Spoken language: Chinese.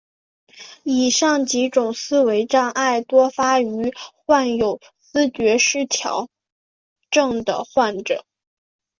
以上几种思维障碍多发于患有思觉失调症的患者。